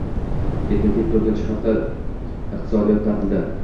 Ketma -ket to'rtinchi hafta iqtisodiyot ta'tilda